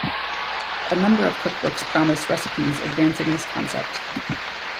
A number of cookbooks promise recipes advancing this concept.